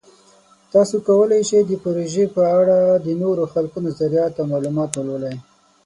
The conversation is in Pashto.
تاسو کولی شئ د پروژې په اړه د نورو خلکو نظریات او معلومات ولولئ.